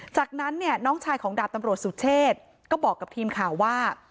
จากนั้นเนี่ยน้องชายของดาบตำรวจสุเชษก็บอกกับทีมข่าวว่า